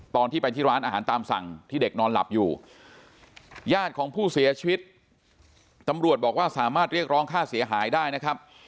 ตอนที่ไปที่ร้านอาหารตามสั่งที่เด็กนอนหลับอยู่ญาติของผู้เสียชีวิตตำรวจบอกว่าสามารถเรียกร้องค่าเสียหายได้นะครับ